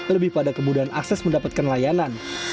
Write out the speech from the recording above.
lebih pada kemudahan akses mendapatkan layanan